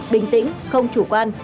bình tĩnh không chủ quan